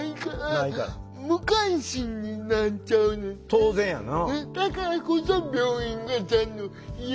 当然やな。